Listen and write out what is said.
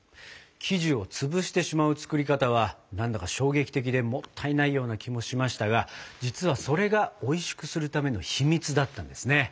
生地をつぶしてしまう作り方は何だか衝撃的でもったいないような気もしましたが実はそれがおいしくするための秘密だったんですね。